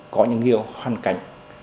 có những nhiều hoàn cảnh